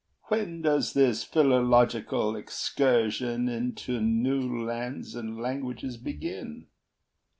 HAMILTON When does this philological excursion Into new lands and languages begin?